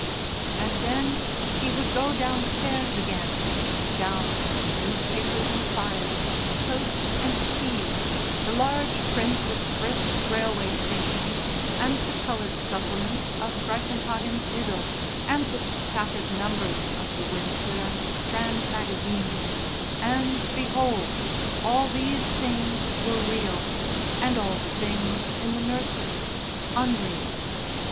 And then he would go downstairs again, down to newspapers and fires, toast and tea, the large print of Frith's "Railway Station," and the coloured supplement of Greiffenhagen's "Idyll," and the tattered numbers of the Windsor and the Strand magazines, and, behold, all these things were real and all the things in the nursery unreal.